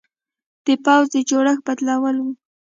د پوځ د جوړښت بدلول و.